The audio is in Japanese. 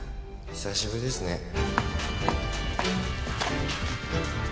久しぶりですね。